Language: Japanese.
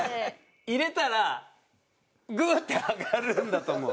入れたらグーッて上がるんだと思う。